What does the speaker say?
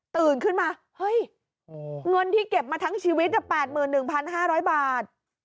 ตื่นขึ้นมาเฮ้ยเงินที่เก็บมาทั้งชีวิต๘๑๕๐๐บาท